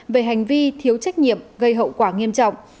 về hành vi thiếu trách nhiệm gây hậu quả nghiêm trọng